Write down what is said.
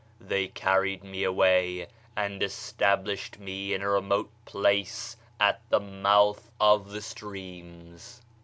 They carried me away, and established me in a remote place at the mouth of the streams.'"